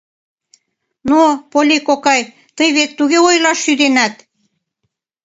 — Но, Полли кокай, тый вет туге ойлаш шӱденат!